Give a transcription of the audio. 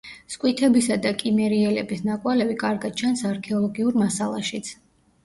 სკვითებისა და კიმერიელების ნაკვალევი კარგად ჩანს არქეოლოგიურ მასალაშიც.